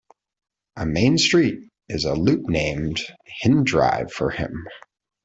A main street is a loop named Hind Drive for him.